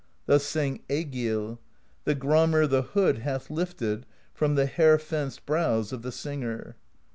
Thus sang Egill: The Gramr the hood hath lifted From the hair fenced brows of the Singer.